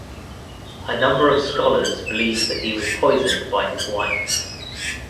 A number of scholars believe that he was poisoned by his wife.